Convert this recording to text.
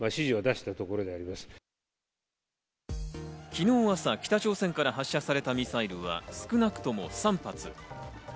昨日朝、北朝鮮から発射されたミサイルは少なくとも３発。